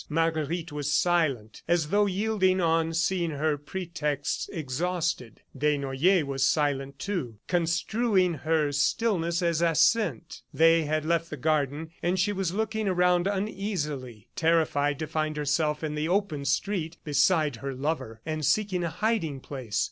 Marguerite was silent, as though yielding on seeing her pretexts exhausted. Desnoyers was silent, too, construing her stillness as assent. They had left the garden and she was looking around uneasily, terrified to find herself in the open street beside her lover, and seeking a hiding place.